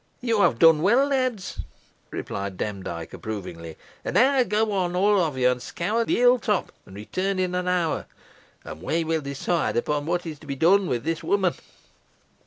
"You have done well, lads," replied Demdike, approvingly; "and now go all of you and scour the hill top, and return in an hour, and we will decide upon what is to be done with this woman."